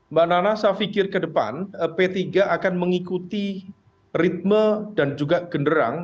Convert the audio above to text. mbak nana saya pikir ke depan p tiga akan mengikuti ritme dan juga genderang